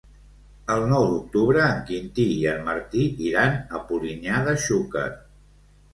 El nou d'octubre en Quintí i en Martí iran a Polinyà de Xúquer.